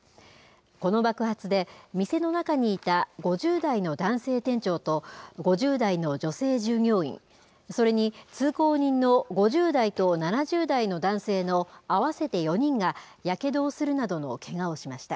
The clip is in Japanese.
この爆発で、店の中にいた５０代の男性店長と、５０代の女性従業員、それに通行人の５０代と７０代の男性の合わせて４人が、やけどをするなどのけがをしました。